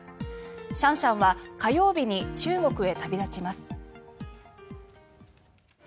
シャンシャンは火曜日に中国へ旅立ちます。